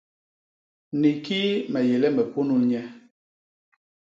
Ni kii me yé le me punul nye?